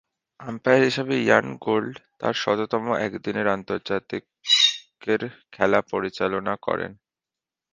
Umpire হিসেবে Ian Gould তার শততম একদিনের আন্তর্জাতিকের খেলা পরিচালনা করেন।